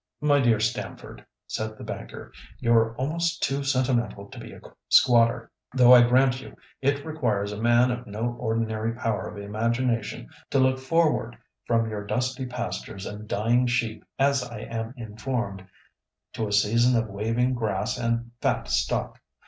"My dear Stamford," said the banker, "you're almost too sentimental to be a squatter, though I grant you it requires a man of no ordinary power of imagination to look forward from your dusty pastures and dying sheep (as I am informed) to a season of waving grass and fat stock.